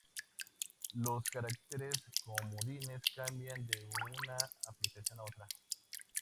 Los caracteres comodines cambian de una aplicación a otra.